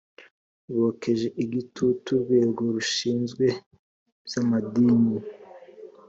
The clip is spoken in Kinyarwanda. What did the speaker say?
bokeje igitutu urwego rushinzwe iby amadini